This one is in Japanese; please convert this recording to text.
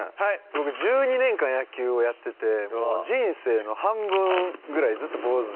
僕１２年間野球をやってて人生の半分ぐらいずっと坊ず。